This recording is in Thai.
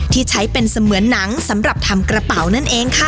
ที่ใช้เป็นเสมือนหนังสำหรับทำกระเป๋านั่นเองค่ะ